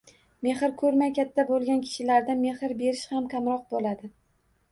Mehr ko‘rmay katta bo‘lgan kishilarda mehr berish ham kamroq bo‘ladi